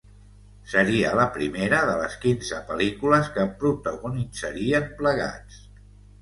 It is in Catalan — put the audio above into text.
Seria la primera de les quinze pel·lícules que protagonitzarien plegats.